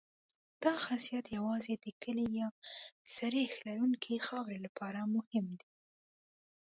دا خاصیت یوازې د کلې یا سریښ لرونکې خاورې لپاره مهم دی